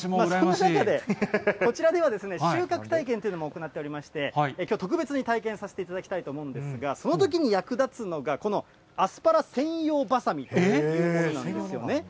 こちらでは収穫体験というのも行っておりまして、きょう特別に体験させていただきたいんですが、そのときに役立つのが、このアスパラ専用ばさみというものなんですよね。